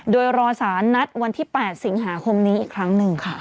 โดยรอสารนัดวันที่๘สิงหาคมนี้อีกครั้งหนึ่งค่ะ